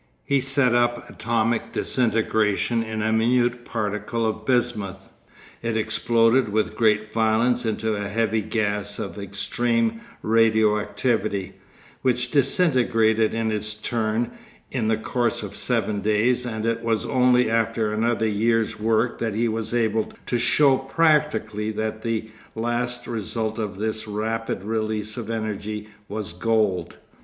He set up atomic disintegration in a minute particle of bismuth; it exploded with great violence into a heavy gas of extreme radio activity, which disintegrated in its turn in the course of seven days, and it was only after another year's work that he was able to show practically that the last result of this rapid release of energy was gold.